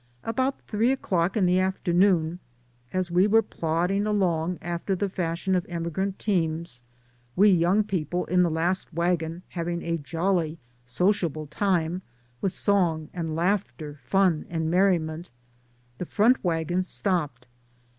About three o'clock in the afternoon, as we were plodding along after the fashion of emigrant teams, we young people in the last wagon, having a jolly sociable time, with song and laughter, fun and merriment, the front wagons stopped.